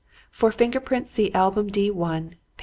"For finger prints see Album D 1, p.